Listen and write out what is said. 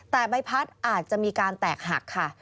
แต่ใบพัดอาจจะมีการแตกหักค่ะ